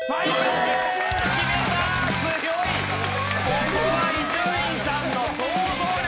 ここは伊集院さんの想像力。